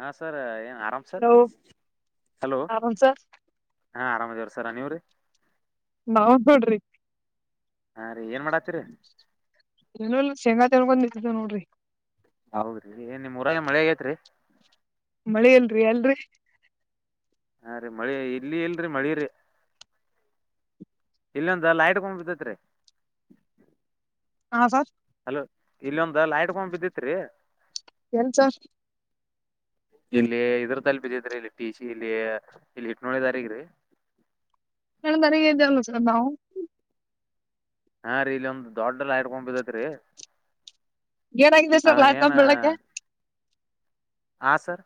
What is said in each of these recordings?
ಹಾ ಸರ್ ಏನ ಆರಾಮ್ ಸರ್ ಹಲೋ ಹಲೋ ಆರಾಮ್ ಸರ್ ಹಾ ಆರಾಮ ಇದೇವ್ರೀ ಸರ್ ನ ನೀವ್ರೀ ನಾವಖೇಡಾ ರಿ ಹಾ ರೀ ಏನ್ ಮಾಡಾತ್ತೀರಿ ಎಲೇಲಿ ಶೇಂಗಾ ತೆಳಬಂದ ನಿಂತಿದೇವ ನೋಡ್ರಿ ಹೌದ್ರಿ ಏ ನಿಮ್ೂಊರಾಗ ಮಳೆಗೇತ್ರಿ ಮಳೆ ಅಲ್ರರಿ ಅಲ್ರರಿ ಅರಿ ಮಳಿ ಇಲ್ಲಿ ಎಲ್ರಿ ಮಳಿ ರರಿ ಇಲ್ಲೊಂತ ಲೈಟ್ ಕೊಂಡ್ಬಿದ್ದೇತ್ರಿ ಹಾ ಸರ್ ಹಲೋ ಇಲ್ಲೊಂದ ಲೈಟ್ಕಂಬ ಬಿದ್ದಿತ್ರಿ ಎಳಿ ಸರ್ [inaudible] ಇಲ್ಲಿ ಇದ್ರ ತಲ್ ಬಿದ್ದಿದ್ರಿ ಇಲ್ಲಿಟ್ಟೀ ಸಿ ಇಲ್ಲಿ ಇಲ್ಲಿ ಇಟ್ಟು ನೋಡಿದಾರಗ್ರಿ. ನರಗೆ್ದ ಒ ಸಂದವು. [inaudible] ಹಾ ರೀ ಇಲ್ಲಿ ಒಂದ್ ದೊಡ್ಡ ಲೈಟ್ಕಂಬ ಬಿದೇತ್ರಿ. ಏನಾಗಿದೆ ಸರ್ ಲೈಟ್ಕಂಬ ಬಿಳಕೆ. ಹಾ ಸರ್.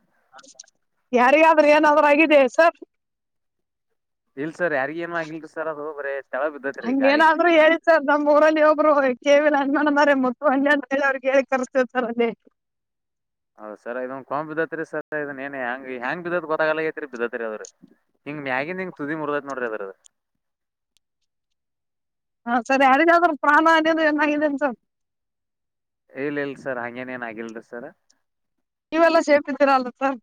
ಯಾರಿಗಾದ್ರೂ ಏನಾದ್ರಾಗಿದೆ ಸರ್. ಇಲ್ ಸರ್ ಯಾರಿಗ ಏನ್ ಆಗ್ಲ್ ಸರ್ ಅದು ಬರೇ. ತೆಳ ಬಿದ್ದತ್ರಿ ಗಾಳಿಗ್ರಿ ಹಂಗೇಏನಾದ್ರು ಹೇಳಿ ಸರ್ ನಮ್ ಊರಲ್ಲಿ ಒಬ್ರು. ಕೇವಿನ ಅನ್ನ ಅದರೆ ಮುತ್ತು ಅಂಜೇ ಅವ್ರಿಗೆ ಹೇಳಿ ಕರಸ್ತೇವಿ ಅಲ್ಲೆ. ಹೌದ ಸರ್ ಇದನ್ ಕಂಬ್ ಬಿದ್ದತ್ರಿ ಸರ್ ಇದನ್ ಏನ್ ಹೆಂಗ ಹೆಂಗ ಬಿದ್ದತ್ ಗೊತ್ತಾಗಾಲ ಆಗೆತ್ರಿ ಬಿದ್ದತ್ರಿ ಆದ್ರರಿ. ಹಿಂಗ್ ಮ್ಯಾಗಿಂದ ಹಿಂಗ ತುದಿ ಮುರ್ದದ ನೋಡ್ರಿ ಅದ್ರದ. ಹಾ ಸರಿ ಯಾರಿದಾದ್ರರು ಪ್ರಾಣ ಅದುಏನ್ ಸರ್. ಇಲ್ ಇಲ್ ಸರ್ ಹಂಗೇನ ಏನ್ ಆಗಲ್ರಿ ಸರ್. ನೀವೆಲ್ಲಾ ಸೇಫ ಇದ್ದೀರ ಅಲ್ಲ ಸರ್.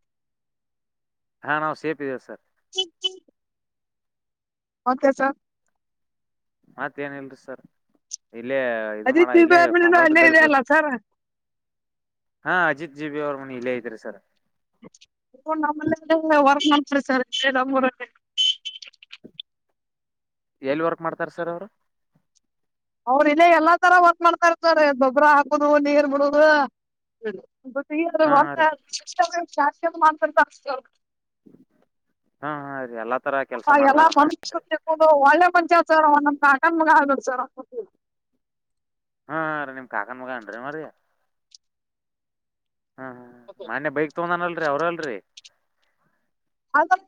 ಹಾ ನಾವು ಸೇಪ್ ಇದೇವೆ ಸರ್. [inaudible] ಮತ್ತೆ ಸರ್. ಮತ್ತೆ ಏನ್ ಇಲ್ರಿ ಸರ್. ಇಲ್ಲೇ ಇದು ಮಾಡ ಅಜಿತ್ ಇಲ್ಲೇ ಕೊಂಬಾ ಅಲ್ಲೇ ಬಿದ್ದಲ್ಲಿ ಇದೆ ಕೂತ ಅಲ್ಲ ಸರ್ ಹಾ ಅಜಿತ್. ಜಿ ಬವಿ ಅವ್ರ ಮನಿ ಇಲ್ಲೇ ಐತ್ರಿ ಸರ್. ಸಲ್ಲರ. [inaudible] ಎಲ್ ವರ್ಕ್ ಮಾಡ್ತಾರ ಸರ್ ಅವರು. ಅವ್ರ ಇಲ್ಲೇ ಎಲ್ಲಾ ತರ ವರ್ಕ್ ಮಾಡ್ತಾರತರ್ ಗೊಬ್ಬರ ಹಾಕುದು ನೀರ್ ಬಿಡುದು. ಹಾ ಹಾ ರೀ ಶಾಸ್ತಿ ಮಾತಾಡ್ಗ್ತ. [inaudible] ಹಾ ಹಾ ರೀ ಎಲ್ಲ. ಹಾ ಎಲ್ಲಾ ಮಂಷ ಅದು ತಿಕ್ಕೊದು ಒಳ್ಳೆ ಮಂಷ ಆಚಾರ ಒ. ಕಾಕನ ಮಗಾ ಹಗಡ್ಚ ರ. ಹಾ ರೀ ನಿಮ್ ಕಾಕನ್ ಮಗ ಏನ್ರಿ ಅವರಿ. ಹ್ಮ್ ಹ್ಮ್ ಮನ್ಯ ಬೈಕ್ ತೊಗಂದಾನ ಅಲ್ರಿ ಅವ್ರ ಅಲ್ರರಿ. ಹ. [inaudible]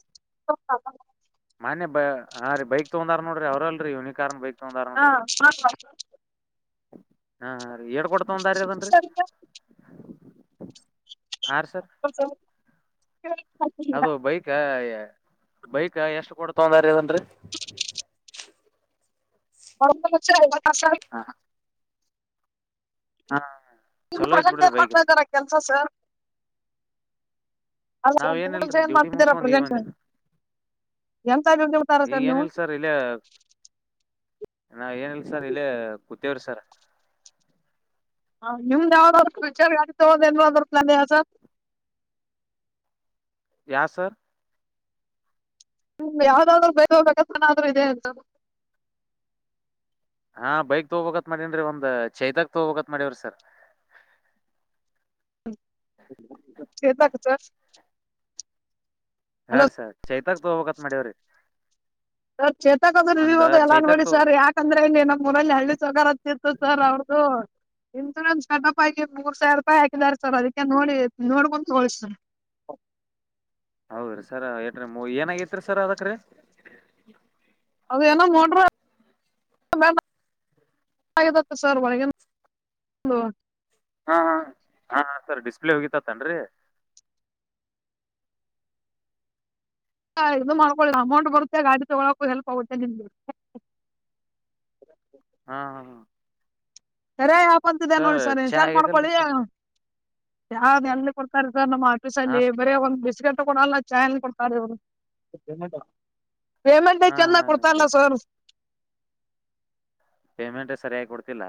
ಹಾ ರ ಬೈಕ್ ತಗಂದಾರ ನೋಡರಿ ಅವ್ರರಲ್ರಿ ಯನಿಕಾರ್ನ್ ಬೈಕ್. ತೊಗೊಂಡಾರ ಹಾ ನೋಡ್ರಿ ಹ. ಹಾ ರೀ ಏಟ ಕೊಟ್ಟ ತೊಗೊಂಡರಿ ಅದನ್ರಿ. ಹಾರಿ ಸರ್. ಹ್ಮ. ಅದು ಬೈಕ. ಬೈಕ್ ಎಷ್ಟು ಕೊಟ್ಟ ತೊಗೊಂಡರಿ ಇದನ್ರಿ. [inaudible] ಹಾ. ನಿಮ ಚಲೋ ಐತ್ ಪ್ರೆಸೆಂಟ್ ಬಿಡ್ರಿ ಏನ್ ಬೈಕ್ ಮಾಡ್ತಾ ರೀ ಇದಿದಾರ ಕೆಲ್ಸ ಸರ್. ಅಲ್ಲ ನಾವ ಏನಲ್ರರಿ ಏನ್ ಡ್ಯೂಟಿ ಮಾಡ್ತಿದ್ದೀರಾ ಮುಗಸ್ಕೊಂಡ್ ಈಗ ಪ್ರೆಸೆಂಟ್ ಬಂದೆ. ಎಂತ ಬಿಡ್ತಾರ ಈಗ ನೀವು ಏನಿಲ್ಲ ಸರ್ ಇಲ್ಲ. ನಾವ ಏನಲ್ ಸರ್ ಇಲ್ಲೇ ಕೂತೇವ್ರಿ ಸರ್. ಹ ನಿಮ್ದ್ ಯಾವ್ದಾದ್ರುಚರ್ ಗಾಡಿ ತಗೋದ ಏನಾದ್ರೂ ಸರ್. ಯಾ ಸರ್. ನಿ ಯಾವ್ದಾದ್ರು ಬೇಕ ಬೇಕಥನಾದ್ರೂ ಇದೆ ಅಂತ. ಹಾ ಬೈಕ್ ತೂಗೋಬೇಕ್ ಮಾಡೇನ್ರಿ ಒಂದ್ ಚೈತಾಕ್ ತಗೋಬೇಕತ್ ಮಾಡೇವ್ರಿ ಸರ್. [inaudible] ಚೇತಕ್ ಸರ್. ಹಾ ಹಲೋ ರೀ ಸರ್ ಚೈತಾಕ ತಗೋಬೇಕ ಅಂತ ಮಾಡ್ಯವ್ರಿ ಸರ್ ಚೇತೋಂದ್ರವ ಎಲ್ಲಾ ನೋಡಿ ತಗೋ ಸರ್ ಯಾಕಂದ್ರೆ ಇಲ್ಲಿ ನಮ್ಮ್ ಊರಲ್ಲಿ ಹಳ್ಳಿ ಸೊಗಾರತ್ತಿರ್ತ ಸರ್ ಅವ ಹದು ಇನ್ಸೂರೆನ್ಸ್ ಕಟ್ಪ್ ಆಗಿ ಮೂರ್ ಸಾವಿರ ರೂಪಾಯಿ ಹಾಕಿದಿದ್ದಾರೆ ಸರ್ ಅದಕ್ಕೆ ನೋಡಿ ನೋಡ್ಕೊಂಡು ತಗೋಳಿ ಸರ್ [inaudible] ಹೌದ್ರಿ ಸರ್ ಎಟ್ರಿ ಏನಗತ್ರಿ ಸರ್ ಅದಕ್ರೀ ಅದು ನ ಮೋಟ್ರ ಸರ್ ಮಾಡಗ [unintelligible] ಹ ಹಾ ಸರ್ ಡಿಸ್ಪ್ಲೇ ಹೋಗಿತ ತನ್ರಿ ಹಾ ಇದು ಮಾಡ್ಕೊ ಅಮೌಂಟ್ ಬರುತ್ತೆ ಗಾಡಿ ತಗೋಲಕ ಹೆಲ್ಪ್ ಆಗುತ್ತೆ ನಿಮ್ಗೆ ಹಾ ಹಾ ಹ ತರೇ ಯಾಪಂತಿದ್ದ ನೋಡಿ ಸರ್ ಚಾ ಇನ್ಸ್ಟಾಲ್ ಆಗೈತಲ್ರಿ ಮಾಡ್ಕೊಳಿ ಸರ್ ಯಾವ್ದ್ ಎಲ್ಲಿ ಕೊಡ್ತಾರೆ ಸರ್ ನಮ್ಮ್ ಆಫೀಸ ಹಾ ಅಲ್ಲಿ ಸ್- ಬರೇ ಒಂದ್ ಬಿಸ್ಗೆಟ್ ಕೊಡಲ್ಲ ಚ ಕೊಡ್ತಾರ ಇವರು ಪೇಮೆಂಟ್ ಹಾ ಐತಿ ಅಂದಮ್ಯಗ್ ಕೊಡ್ತಾರಲ್ಲ ಸರ್ ಪೇಮೆಂಟ್ ಸರಿಯಾಗಿ ಕೊಡ್ತಿಲ್ಲ.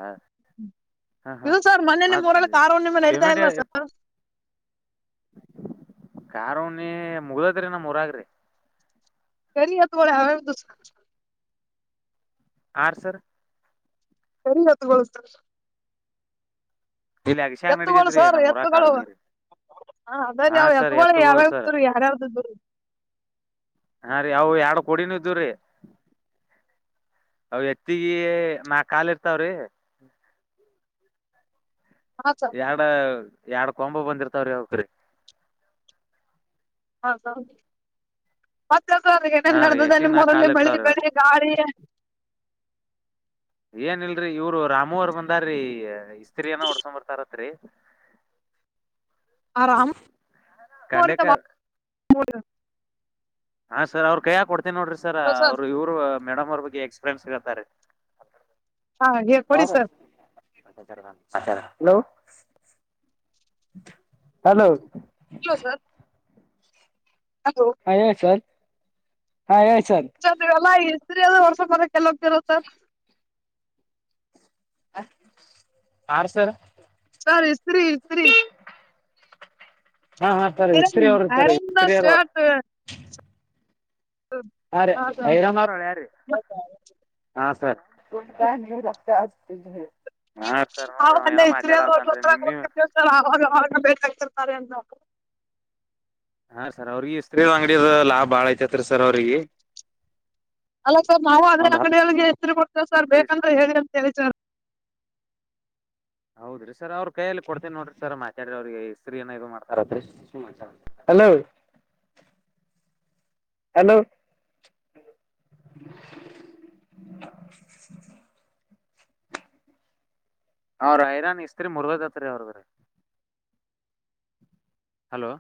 ಹಾ ಹಾ ಇಲ ಸರ್ ಮೊನ್ನೆ ನಿಮ್ಮ ಮತ್ ಉರಲ್ಲಿ ಕಾರ ಹುಣ್ಣಿಮೆ ನಡೀತಾ ಇಲ್ಲ ಸರ್ ಕಾರ ಹುಣಿಮೆ ಮುಗ್ದದ್ರಿ ನಮ್ಮ್ ಊರಾಗ ರೀ [unintelligible] ಆರ್ ಸರ್ ಸರಿ ಆತ ಗೋಳಸ ಇಲ್ಲಿ ಅಗಶ್ಯಾಗ ಎತ್ತುಗಳು ನಡಿತೈತ್ರಿ ಸರ್ ನಮ್ ಊರಾಗ ಎತ್ತುಗಳು ಕಾರುಣಿ ರೀ ಹ ಹಾ ಅದಾವ ಸರ್ ಎತ್ತುಗಳು ಸರ್ ಯಾವ್ಯಾವ್ದ್ದರು ಯಾರ್ಯಾವ್ದರು ಹಾ ರೀ ಅವು ಎರಡು ಕೊಡಿನ್ವ ಇದ್ದವ ರೀ ಅವ ಎತ್ತಗಿ ನಾಕ್ ಕಾಲ ಇರ್ತಾವ್ರಿ ಹಾ ಸರ್ ಎರಡ ಎರಡ್ ಕೊಂಬ ಬಂದಿರ್ತಾವ್ರಿ ಅವಕ ಹೌದೌಹೌದ ಮ ಅದ ಏನೇನ್ ಹಾ ರೀ ನಡೆದದ ಎತ್ತಿಗ್ ನಿಮ್ಮ ನಾಕ್ ಊರಲಿ ಕಾಲ್ ಬೆಳಿ ಇರ್ತಾವ್ರಿ ಅವ್ ಬೆಳಿ ಗಾಳಿ ಏನ್ ಇಲ್ರೀ ಇವ್ರು ರಾಮು ಅವರು ಬಂದಾರಿ ಇಸ್ತ್ರರಿನ ಓಡ್ಸಕೊಂಡ್ ಬರ್ತಾರ ಅಂತ ರೀ ಆರಾಮ ಕಂಡೆಕ [unintelligible] ಹಾ ಸರ್ ಅವ್ರ ಕೈಯ ಕೊಡ್ತೀನಿ ನೋಡ್ರಿ ಸರ್ ಅವ್ರರು ಇವರು ಮೇಡಮ್ ಅವ್ರ ಬಗ್ ಎಕ್ಸ್ಪೀರಿಯನ್ಸ್ ಕೇಳ್ತಾರ್ ರೀ ಹಾ ಹೇ ಕೊಡಿ ಬ ಸರ್ ಅಚ [unintelligible] ಹಲೋ ಹಲೋ ಇಲ್ಲ ಸರ್ ಹಲೋ ಹಾ ಹೇಳಿ ಸರ್ ಹಾ ಹೇಳಿ ಸರ್ ನೀವ್ ಎಲ್ಲ ಇಸ್ತ್ರಿ ಅದು ಹೊಡಸಕಬಾರಕ್ ಎಲ್ಲ ಹೋಗ್ತೀರಾ ಸರ್ ಆರ್ ಸರ್ ಸರ್ ಇಸ್ತ್ರಿ ಇಸ್ತ್ರಿ ಹಾ ಹಾ ಸರ್ ಇಸ್ತ್ರಿ ಐರನ್ ಅವರು ಸರ್ ಐರನ್ ಇಸ್ತ್ರಿ ಶರ್ಟ್ ಹ ರೀ ಅದು ಐದನರಳೆ ರೀ ಹ ಸರಿ ಹ ಹ್ಮ ಹಲ್ಲ ಇತ್ರಿಾಗಾಗ ನಿಮ್ ನೀವ್ ಬೇಕಾಗ್ತ [unintelligible] ಅೆಯ ನೋ [unintelligible] ಹಾ ರೀ ಸರ್ ಅವ್ರಿಗೆ ಇಸ್ತ್ರೀ ಅಂಗಡಿದ ಲಾಭ ಭಾಳ ಐತತ್ರಿ ಸರ್ ಅವ್ರಿಗೆ ಅಲ್ಲ ಸರ್ ನಾವು ಅದೆ ಒಂದ್ ಅಂಗಡಿಯಗೆ ಹೆಸರು ಕೊಡ್ತೇವೆ ಸರ್ ಹತ್ತು ಬೇಕಂದ್ರೆ ಹೇಳಿ ಅಂತ ಹೌದ್ರಿ ಸರ್ ಅವ್ರ ಕೈಯಲ್ಲಿ ಕೊಡ್ತೇನಿ ನೋಡ್ರಿ ಸರ್ ಮಾತಾಡ್ರರಿ ಅವ್ರಿಗೆ ಇಸ್ತ್ರರಿ ಏ ಇದು ಮಾಡ್ತಾರ ಹಲೋ ಹಲೋ [unintelligible] ಅವ್ರ ಐರನ್ ಇಸ್ತ್ರಿ ಮುರ್ಗದತ್ರಿ ಅವ್ರದ್ರೀ ಹಲೋ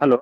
ಹಲೋ